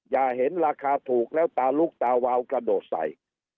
อย่าเห็นราคาถูกแล้วตาลุกตาวาวกระโดดใส่